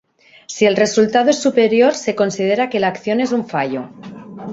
Si el resultado es superior se considera que la acción es un fallo.